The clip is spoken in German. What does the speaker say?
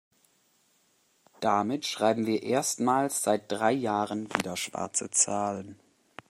Damit schreiben wir erstmals seit drei Jahren wieder schwarze Zahlen.